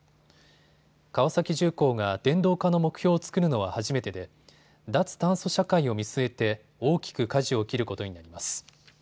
川崎重工が電動化の目標を作るのは初めてで脱炭素社会を見据えて大きくかじを切ることになります。